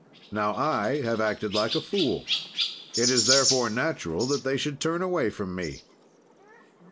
"'Now, I have acted like a fool. "'It is, therefore, natural that they should turn away from me.'